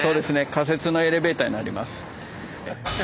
仮設のエレベーターになります。